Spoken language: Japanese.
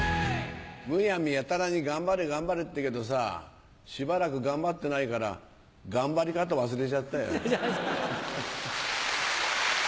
むやみやたらに頑張れ頑張れって言うけどさしばらく頑張ってないから頑張り方忘れちゃったよ。